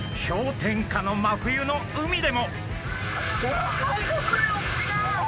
氷点下の真冬の海でも。